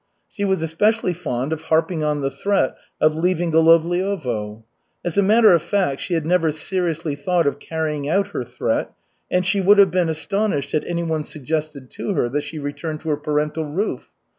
She was especially fond of harping on the threat of leaving Golovliovo. As a matter of fact, she had never seriously thought of carrying out her threat, and she would have been astonished had anyone suggested to her that she return to her parental roof.